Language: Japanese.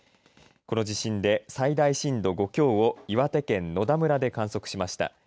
この地震で最大震度５強を岩手県野田村で観測しました。